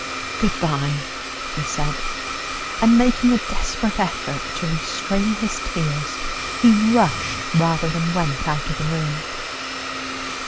"Good bye," he said. And, making a desperate effort to restrain his tears, he rushed rather than went out of the room.